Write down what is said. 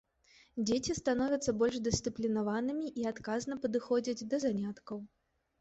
Дзеці становяцца больш дысцыплінаванымі і адказна падыходзяць да заняткаў.